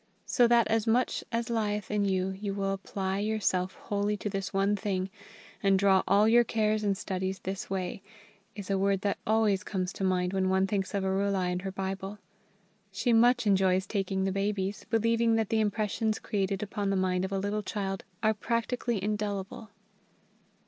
"So that as much as lieth in you you will apply yourself wholly to this one thing, and draw all your cares and studies this way," is a word that always comes to mind when one thinks of Arulai and her Bible. She much enjoys taking the babies, believing that the impressions created upon the mind of a little child are practically indelible.